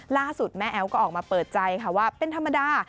ล่าสุดแม่แอ๊วก็ออกมาเปิดใจค่ะว่าเป็นธรรมดา